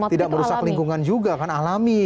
tidak merusak lingkungan juga kan alami